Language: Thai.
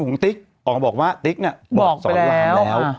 ติ๊กออกมาบอกว่าติ๊กเนี่ยบอกสมหวังแล้ว